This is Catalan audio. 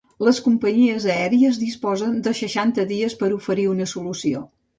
Les companyies aèries disposen de seixanta dies per a oferir una solució.